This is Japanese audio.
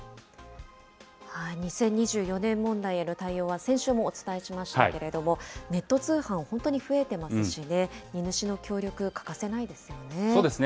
２０２４年問題への対応は先週もお伝えしましたけれども、ネット通販、本当に増えてますしね、荷主の協力、欠かせないですよね。